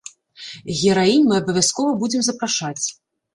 Гераінь мы абавязкова будзем запрашаць.